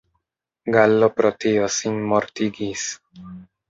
Gallo pro tio sinmortigis.